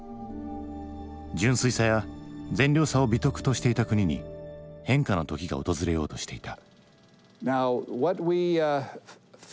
純粋さや善良さを美徳としていた国に変化の時が訪れようとしていた。